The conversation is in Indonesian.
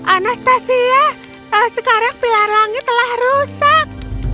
anastasia sekarang pilar langit telah rusak